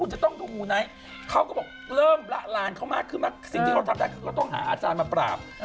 สิ่งที่เขาทำได้ก็ต้องหาอาจารย์มาปราบ